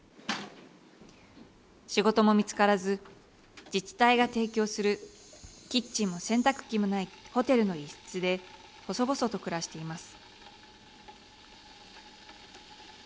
仕事も見つからず自治体が提供するキッチンも洗濯機もないホテルの１室で細々と暮らしています。